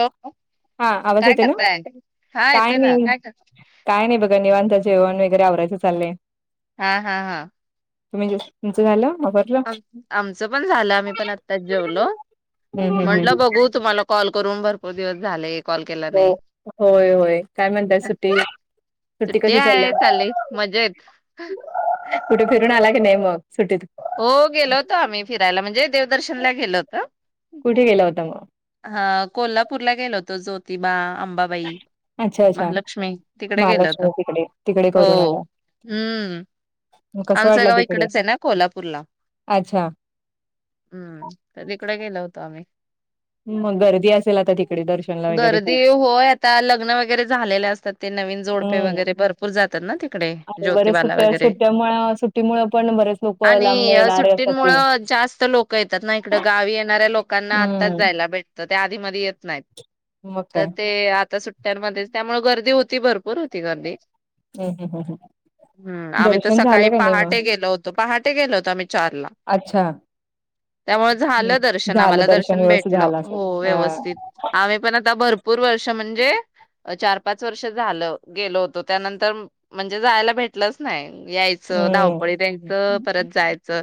Hello हा आवाज काय येतो ना? करताय हा काय येतोय ना नाही कर काय नाही बघा निवांत. जेवण वगैरे आवरायचं चाललंय. हा हा हा तुम्ही ज्यूस... आ आमचं पण झालं आम्ही पण आत्ताच जेवलो. हम्म हम्म हम्म म्हटलं बघू तुम्हाला कॉल करून बर. खूप दिवस झाले. कॉल केला हो नाही होय होय काय म्हणताय सुट्टी सुट्टी कशी चालल्या आहे चाललय मजेत. कुठे फिरून आला की नाही मग? सुट्टीत हो गेलो होतो आम्ही फिरायला म्हणजे देवदर्शनला गेलो होतो. कुठे गेला होता मग हा कोल्हापूरला गेलो होतो जोतिबा. अंबाबाई, अच्छा अच्छा महालक्ष्मी तिकडे गेलो होतो. महालक्ष्मी तिकडे तिकडे करून हो आला हम् मग कसं आमच वाटलं गाव तिकडे इकडच आहे ना कोल्हापूर. अच्छा हम्म [unintelligible] तिकडे गेलो होतो आम्ही. मग गर्दी असेल आता तिकडे दर्शनला वगैरे गर्दी खूप होय आता लग्न वगैरे झालेले असतात. ते नवीन जोडपे हम्म वगैरे भरपूर जातात ना तिकडे आणि बरेच ज्योतिबाला सुट्ट्या वगैरे सुट्ट्यामुळे सुट्टीमुळे पण बरेच लोक आणि लांबन येणारे असतात सुट्टींमुळ ते जास्त लोक येतात ना इकड गावी येणार लई लोक लोकांना आत्ताच हम्म जायला भेटत. तर त्या आधी मधी येत नाहीत. मग काय तर ते आता सुट्टयांमध्येच त्यामुळे गर्दी होती. ती भरपूर होती गर्दी ती हम हम ह दर्शन झालं का नाही म? पहाट ते गेलो होतो आम्ही. चार ला त्यामुळे हम्म. झालं दर्शन झालं आम्हाला दर्शन व्यवस्थित भेटलं. झालं असेल हो अ व्यवस्थित. चार पाच वर्ष झालं गेल होतं त्यानंतर म्हणजे जायला भेटलंच नाही यायचं हम्म धावपळी त्यांचं जायचं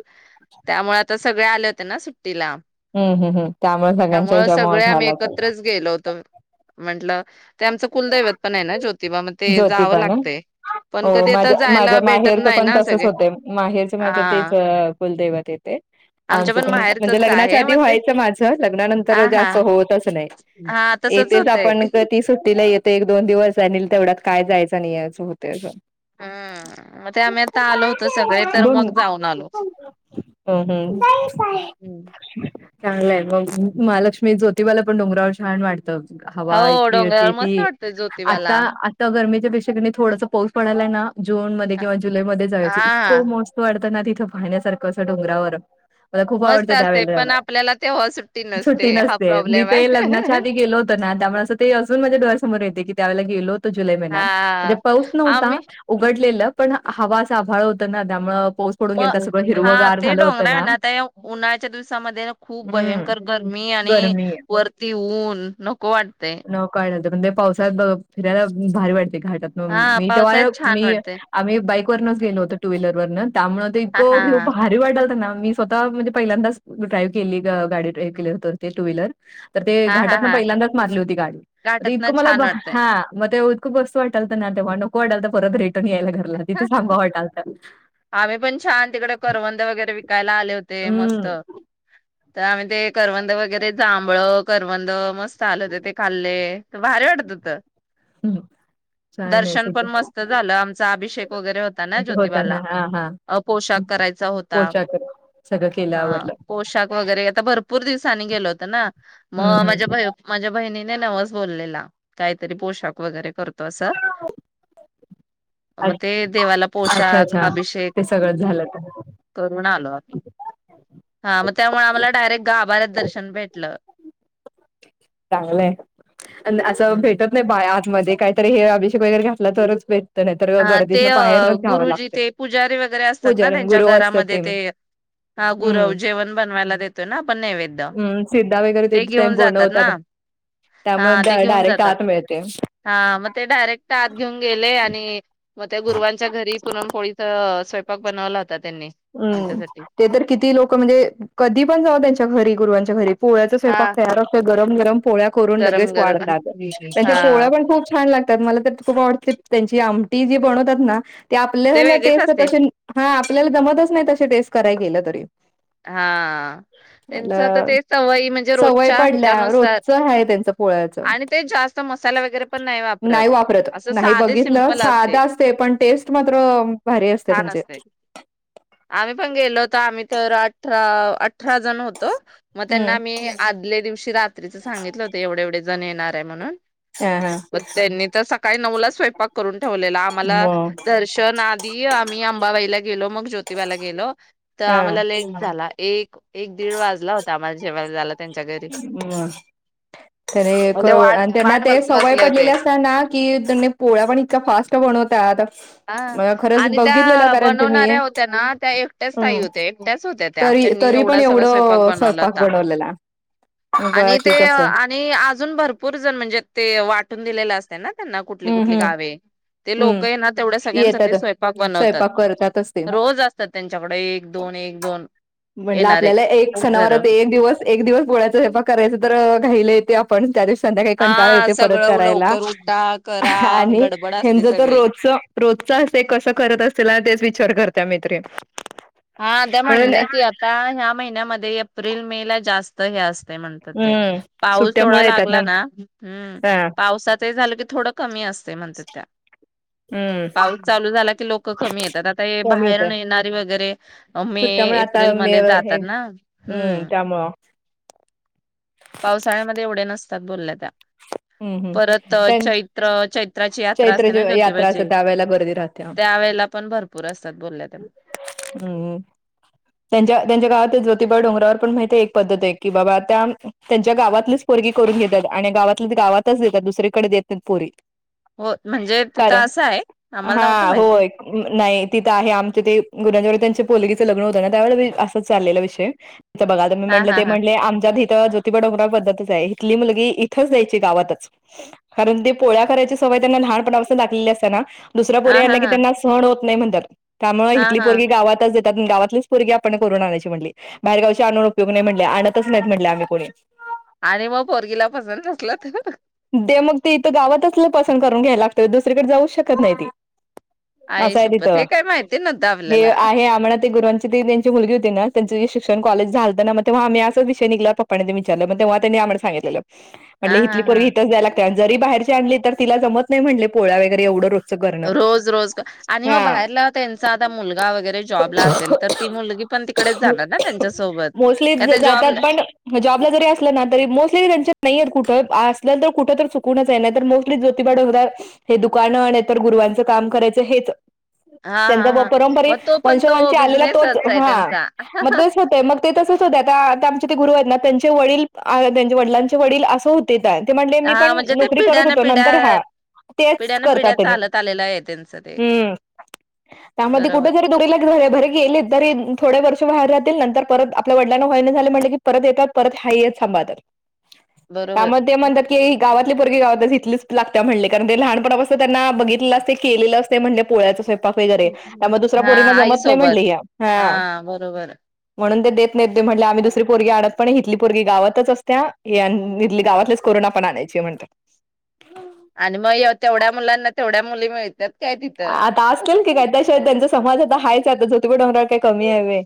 त्यामुळे आता सगळे आले होते ना सु हम् हम्म हम त्यामुळे सगळ्यांच्या त्यामुळे हेचामुळं सगळे आम्ही झालं असेल. एकत्रच गेलो होतो म्हंटलं ते आमचं कुलदैवत पण आहे ना ज्योतिबा म ते जावं ज्योतिबा ना लागते पण हो कधी आता माझ्या जायला माझ्या भेटत नाही ना सगळे माझ तेच हा कुलदवत येते आमच्या आमचं पण म्हणजे माहेरचच लग्नाच्या आहे आधी मग ते व्हायच माझ लग्नानंतर हा हा जास्त होतच नाहीेच हा तसच येतेच होतंय आपण कती सुट्टीला किती एक दोन दिवस आणि तेवढ्यात काय जायचं आणि यायचं होते असं हम्म मग ते आम्ही आता आलो होतो सगळे तर दोन मग जाऊन आलो. हम्म चांगलंय मग महालक्ष्मी, ज्योतिबाला पण डोंगरावर छान वाट हवा हो इतकी होती डोंगरावर मस्त ती वाटतय ज्योतिबाला आता आता गरमी त्यापेक्षा किनी थोडास पाऊस पडायलाय ना जून मध्ये किंवा जुलैमध्ये जायच हा इतकं मस्त वाटतं ना पाहण्यासारखं असं डोंगरावर मला खूप मस्त आवडतं असते पण त्यावेळेला आपल्याला तेव्हा सुट्टी [unintelligible] सुट्टी हा नसते मी प्रॉब्लेम ते आहे. लग्नाच्या आधी गेलो होतो ना त्यामुळे ते असून माझ्या डोळ्या स समोर येत की त्यावेळेला गेलो होत जुलै महिन्यात म्हणजे हा पाऊस नव्हता, आम्ही उघडलेलं पण हवा असं आभाळ होत ना त्यामुळं पाऊस पडून म गेलता सगळं हा हिरवगार ते झालं होतं डोंगरळ ना आता उन्हाळ्याच्या दिवसामध्ये खूप हम्म भयंकर गरमी आणि गरमी वरती ऊन नको वाट [unintelligible] ते म्हणतय पावसाळ्यात फिरायला भारी वाट ते घाटातून हा मी तेव्हा पावसाळ्यात छान मी वाटते. आम्ही बाईक वरनच गेलोतो टू व्हीलर वरच त्यामुळे ते हा इतकं हा व्हिव हा भारी वाटालत ना मी स्वतः म्हणजे पहिल्यांदाच ड्राईव्ह केली गाडी ड्राव केली होत ते टू व्हीलर तर ते हा हा घाटात ना हा पहिल्यांदा मारली होती गाडी घाटात ना इतकं मला छान वाटतय. हा मग ते खूप मस्त वाटालत ना तेव्हा नको वाटालत परत रिटर्न यायला घरी आम्ही पण छान तिकडे करवंद वगैरे विक पिकायला आले होते मस्त हम्म तर आम्ही ते करवंद वगैरे जांभळ करवंद मस् [unintelligible] ते खाल्ले भारी वाटत होतं छान दर्शन आहे पण मस्त झालं आमचा अभिष वगैरे होता ना होता ना जोतिबाला हा हा अहो पोशाख करायचा होता पोशाख सगळं केलं हा आवरलं पोशाख वगैरे आता भरपूर दिस [unintelligible] गेलवतो ना. हम्म मग माझ्या हम्म बही माझ्या बहिणी नाही नवस बोललेला काहीतरी पोशाख वगैरे करतोय तसं मग ते देवाला अच्छा पोशाख, अच्छा अभिषेक ते सगळंच झालं तर करून आलो आम्ही. हा मग त्यामुळे आम्हाला डायरेक्ट गाभाऱ्यात दर्शन भेटलं. चांगलंय अन असं हम्म. भेटत नाही. बाय मध्ये काहीतरी हे अभिषेक वगैरे घातला तरच नाही तर हा ते गर्दीतनं बाहेरच घ्यावं गुरुजी लागतंय ते पुजारी वगैरे असतात पूजा ना त्यांच्या गुरु असतात घरामध्ये ते ह गुरव हम्म जेवण बनवायला देतोय ना आपण नैवेद्य हम्म सिद्धा वगैरे ते घेऊन जातात ना बनवतात हा ते त्यामुळे घेऊन डायरेक्ट जातात आत मिळते हा मग ते डायरेक्ट आत घेऊन गेले आणि मग त्या गुरुवांच्या घरी पुरणपोळीचा स्वयंपाक बनवला होता त्यांनी हम्म आमच्यासाठी ते तर किती लोक म्हणजे कधी पण जावा त्यांच्या घरी गुरुवाच्या घरी पोळ्याचा हा स्वयंपाक करायला लागतंय गरम गरम पोळ्या करून गरम लगेच गरम वाढतात. त्यांच्या हा पोळ्या पण खूप छान लाग त्यात मला तर खूप आवडते त्यांची आमटी जी बनवतात ना ते आपल्याला वेगळीच टेस्ट असते तशी हा आपल्याला जमत नाही तशी टेस्ट कराय गेलं तरी हा आ त्यांच मला तर ते सवय म्हणजे सवय रोजच्या पडल्या ह्याच्यानुसार रोजचं आहे त्यांचं पोळ्याचं आणि तेच जास्त मसाला वगैरे पण नाही वापरत. असं नाही साधे बघितलं सिमपल असतंय, साधं असते पण टेस्ट मात्र भारी असते छान त्यांचे असतंय. आम्ही पण गेलो होतो. आम्ही तर आठ त्या अ अठरा जण होतो. मग त्यांना हम्म आम्ही आदल्या दिवशी रात्रीच सांगितलं होते एवढे एवढे जण येण ये [unintelligible] म्हणून. हा हा पण त्यांनी त सकाळी नऊलाच स्वयंपाक करून. ठेवलेला म आम्हाला दर्शन आधी आम्ही आम अंबाबाईला गेलो, मग ज्योतिबाला गेलो. हा ला एक एक दीड वाजला होता आम्हाला जेवायला जायला त्यांच्या घरी. ह तर एक ते वाट त्यांना वाट ते बघत सवय बसले पडलेली होते. असतना कि त्यांनी पोळ्या पण इतका फास्ट बनवतात हा म खरंच आणि बघितलेलं त्या कारण ते मी बनवणाऱ्या होत्या ना त्या एकट्याच ताई हम्म होत्या एकट्याच होत्या त्या तरी त्यांनी तरी पण एवढा सगळा स्वयंपाक एवढं बनवला स्वयंपाक होता बनवलेला आणि बाकी ते कसं आणि अजून भरपूर जण म्हणजे ते वाटून दिलेलं असते ना त्यांना कुटलि हम्म कुटलि हम्म गावे ते लोक हम्म येना येतात स्वयंपाक करतातच ते रोज असतात त्यांच्याकडे एक दोन एक दोन म्हटलं येणारे आपल्याला एक घर सणावरात एक दिवस एक दिवस पोळ्याचा स्वयंपाक करायच तर राहीले ते आपण त्या संध्याकाळी कंटाळा हां येते परत सगळं करायला लवकर उठा करा गडबड अस. तुमचं तर तरोजच रोजचं असं कसं करत अशीला तेच विचार करतय आम्ही. [unintelligible] हा त्या म्हंटल्या की आता ह्या महिन्यामध्ये एप्रिल मे ला जास्त हे असत काय म्हणतात ते हम्म, पाऊस थोडा सुट्ट्यामुळे येतात लागला ना हम् हां, पावसाच हे झालं की थोड कमी असत. ते म्हणत्यात त्या हम्म, पाऊस चालू झाला की लोक कमी येतात आता हे कमी बाहेर येतं. न येणारी वगैरे मे, सुट्ट्यामुळे आता मे एप्रिलमध्ये हे जातात ना. हम्म पावसाळ्यामध्ये एवढ्या नसतात बोल्या त्या. हम्म हम्म परत अ, त्याचं चैत्र चैत्राची यात्रा चैत्र असते ची ना यात्रा असते ज्योतिबाची त्यावेेळेला गर्दी राहत्या. त्यावेेळेला पण भरपूर असतात बोलल्या त्या हम्म हम्म त्यांच्या त्यांच्या गावातील ज्योतिबा डोंगरावर. पण माहितीये एक पद्धत आहे की बाबा त्या त्यांच्या गावातलीच एक पोरगी करून घेतात आणि गावात गावातच देतात दुसरीकडे देत नाहीत पोरी. हो म्हणजे तिथं कारण असं आहे आम्हाला नव्हतं हा माहिती होय नाही तिथं आहे आमच ते [unintelligible] त्यांच्या पोलगीच लग्न होत ना त्या वेळेला असं चाललेला विषय. तिथ बघा मी हा म्हटलं हा ते हा म्हटले आमच्यात हित बडगुंडा पद्धतच आहे इथली मुलगी इथच द्यायची गावातच कारण ते पोळ्या करायची सवय त्यांना लहानपणापासून लागलेली असते ना दुसऱ्या पोरी हा हा आल्या की हा त्यांना सहण होत नाही म्हणत्यात. त्यामुळे हा हिथली हा पोरी गावातच दत गावातलीच पोरगी आपण करून आणायची म्हटले बाहेरगावचे आणून उपयोग नाही म्हटले आणतच नाहीत म्हटले आम्ही कोणी आणि मग पोरगीला पसंत नसलं तर ते मग ते इथं गावातलच पसंत करून घ्यायला लागत दुसरीकडे जाऊच शकत नाही ते आई असं हाय शपथ तिथं हे काय माहिती नव्हतं हे आपल्याला आहे आम्हाला ते गुरुवांची ती त्यांची मुलगी होती ना त्यांची शिक - - शिक्षण कॉलेज झालतं ना मग ते तेव्हा आम्ही अस विषय निघला पप्पांनी ते विचारलं मग तेव्हा त्यांनी आम्हाला सांगितलेलं. हा हा त्यात जरी बाहेरची आणली तर तीला जमत नाही म्हटले पोळ्या वैगरे एवढं रो स करण रोज रोज क- आणि मग हा बाहेरला त्यांचा आता मुलगा वगैरे जॉबला असेल तर ती मुलगी पण तिकडेच जाणार ना त्यांच्यासोबत मोस्टली का ज ते जातात जॉबला पण जॉबला जरी असलं ना तरी मोस्टली त्यांच्या नाही येत कुठ पास ल्यानंतर कुठं तर चुकूनच हे नाही तर मोस्टली ज्योतिबा डोंगरा हे दुकानं आणि तर गुरवांच काम करायचं हेच हा हा त्यांचा व हा परंपरे मग तो पण तो वंशोवंशी आलेला तोच बिझनेसच आहे हा त्यांचा मग तेच होतय मग ते तसच होतय आता त्या ते गुरु हेत ना त्यांचे वडील आ त्यांचे वडिलांचे वडील असं होते. ते मनले मी हा पण म्हणजे ते नोकरी करत पिढ्यान होतो नंतर हा पिढ्या तेच पिढ्यान करता पिढ्या तेनी चालत आलेलं आहे त्यांचं ते हम्म त्यामुळं ते कुठ बरोबर जरी दुरीला घ घरी गेलेत तरी थोडे वर्ष बाहेर राहत ते नंतर परत आपल्या वडलांना व्हयाना झाले म्हनल की परत येतात परत हायेत सांभाळतात बरोबर त्यामुळे ते म्हणतात की गाव आपली पोरगी गावातच इथलीच लागत्या म्हणले कारण ते लहानपणापासून त्यांना बघितलं असतय केलेलं असतय म्हणले पोळ्याच सै पाक वगैरे त्यामुळे दुसऱ्या हा पोरींना आई जमत नाही म्हणले सोबत या हा म्हणून ते देत नाहीत ते म्हनले आम्ही दुसरी पोरगी आडत पण ह इथली पोरी गावातच असत्या यान इथली गावातलीच कोरोना पण आणायची म्हणत्यात आणि म ह्यो तेवढ्या मुलांना तेवढ्या मुली मिळत्यात आता असतीलकी काय त्याशिय त्यांचा समाज आता हाय त्यातच होते बट [unintelligible] काय कमी आहेवे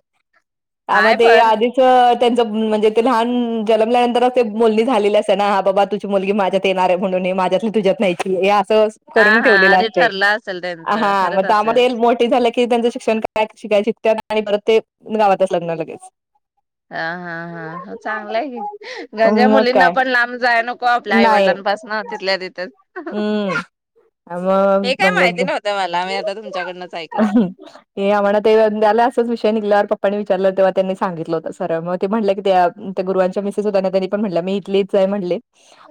हाय त्यामध्ये पण आधीच त्यांच म -म्हणजे ते लहान म -जनमल्यानंतरच ते बोलणी झालेली असते ना हा बाबा तुझी मुलगी माझ्यात येणार आहे म्हणून माझ्यात तु्यात नाहीची हा हा आधी ठरलं असल आ हा म त्यामध्ये मोठी झालेत. कि त्यांचं शिक्षण काय शिकाय [unintelligible] आणि परत ते गावातच लग्न लगेच हा हा हा ह चांगला आहे की गंजा मग मुलींना काय पण लांब जाया नको आपल्या नाही आईवडिलांपासन तिथल्या तिथच हम्म हे काय माहिती नव्हत ते आम्हाला ते असंच विषय निघल्यावर पप्पांनी विचारलं तेव्हा त्यांनी सांगितलं होत सरळ म ते म्हणल्या की त्या त्या गुरवांच्या मीसेस होत्या ना त्यांनी पण म्हणल्या मी इथलीच हाय म्हणले.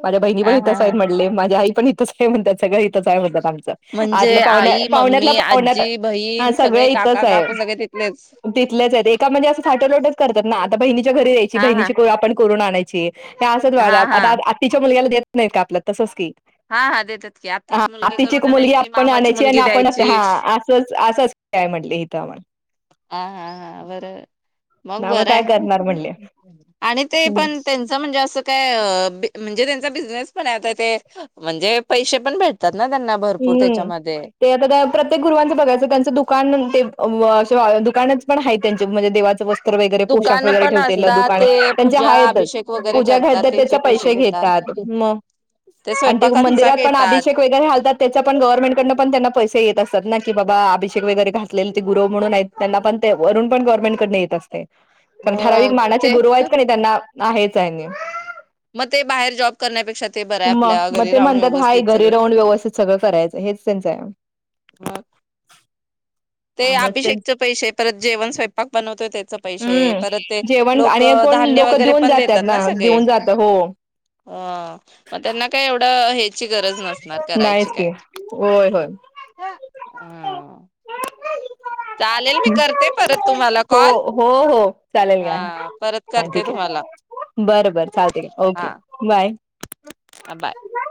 माझ्या बहिणी हा पण हा इथंच आहेत हा म्हणले माझ्या आई इथच काय म्हणत्यात सगळं इथच आहे म्हणत्यात च् आत म्हणजे पावण्या आई पावण्यातल्या मम्मी पावण्यात आजी हा बहीण सगळे इथंच काका आहे काकू सगळे तिथलेच तिथलेच हेत एका म्हणजे असं साटलोटच करतात ना आता बहिणीच्या घरी द्यायची हा हा बहिणीची पोरं आपण करून आणायची ते असत वा हा आता हा आता आत्तीच्या मुलग्याला देत नहीत का आपल्यात तसंच की हा हा देतात की आत्तीच मुलगी करून आणायची पण मामाची आणायची आणि मुलगी आपण द्यायची हा अस असं काय म्हटले हिथं म्हण हा हा हा बरोबर आहे मग त्यामुळे बरं काय आहे करणार म्हणले आणि ते पण त्यांच म्हणजे असं काय म्हणजे त्यांचा बिझनेस पण आता ते म्हणजे पैसे पण भेटतात ना त्यांना भरपूर हम्म त्याच्यामध्ये ते आता त्या प्रत्येक गुरुवांचं बघायचं त्यांचं दुकान ते दुकानच पण आहे त्यांचे म्हणजे देवाचं वस्त वगैरे पोशाख दुकान वगैरे पण ठेव असतात दुकाने ते त्यां पूजा आहेत आहेतच अभिषेक वगैरे पूजा करतात घालतात त्याचे पैसे घेतात मग ते आणि स्वयंपाकांचा मंदिरात पण घेतात अभिषेक वगैरे घालतात च्या पण गव्हर्नमेंटकडन पण त्यांना पैसे येत असात ना की बाबा अभिषेक वगैर घासलेल ते गुरव म्हणून आहेत त्यांना पण ते वरून पण गवर्नमेंटकडन येत असतय कारण ठराविक मग मानाचे ते गुरु आहेत का नाही त्यांना आहेच आहे आणि म ते बाहेर जॉब करण्यापेक्षा ते बरं आहे मग आपल्या मग घरी ते राहून म्हणतात हाय व्यवस्थित घरी सगळं राहून व्यवस्थित सगळं करायचं हेच त्यांचं आहे मग ते अभिषेकच पैशे परत जेवण स्वयंपाक बनवतो त्याच पैशे हम्म परत ते जेवण लोक आणि कोण धान्य लोक वगैरे देऊन पण जातात देतात ना सगळे देऊन जात हो अ मग त्यांना काय एवढं ची गरज नसणार करायची नाहीच की काय होय होय ह हो कॉल हो हो चालेल घ्या हा परत करते ठीक तुम्हाला आहे बर बर चालते ओके बाय ह बाय